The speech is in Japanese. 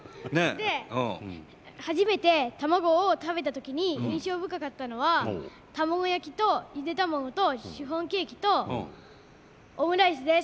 で初めて卵を食べた時に印象深かったのは卵焼きとゆで卵とシフォンケーキとオムライスです。